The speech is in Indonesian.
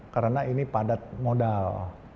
karena ini padat modal